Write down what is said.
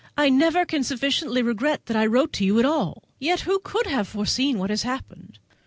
I never can sufficiently regret that I wrote to you at all. Yet who could have foreseen what has happened?